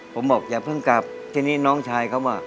ผมบอกอย่าเพิ่งกลับทีนี้น้องชายเขาอ่ะ